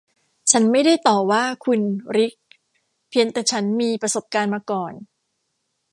ฉันไม่ได้ต่อว่าคุณ ริค เพียงแต่ฉันเคยมีประสบการณ์มาก่อน